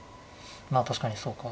まあ確かにそうか。